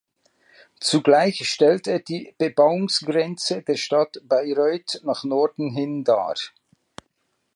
Zugleich stellt er die Bebauungsgrenze der Stadt Bayreuth nach Norden hin dar.